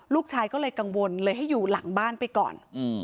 ลูกชายก็เลยกังวลเลยให้อยู่หลังบ้านไปก่อน